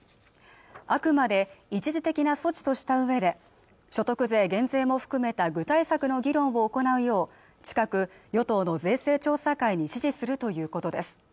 あくまで一時的措置とした上で所得税減税も含めた具体策の議論を行うよう近く与党の税制調査会に指示するということです